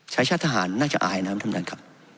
ชาติทหารน่าจะอายนะครับท่านประธานครับ